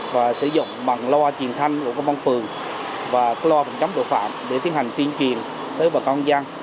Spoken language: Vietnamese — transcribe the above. và sử dụng bằng loa truyền thanh của công an phường và loa phòng chống tội phạm để tiến hành tiên truyền tới bà con gian